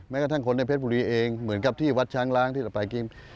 กระทั่งคนในเพชรบุรีเองเหมือนกับที่วัดช้างล้างที่เราไปกิน